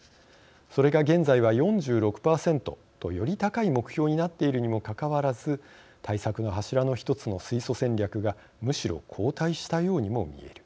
それが現在は４６％とより高い目標になっているにもかかわらず対策の柱の１つの水素戦略がむしろ後退したようにも見える。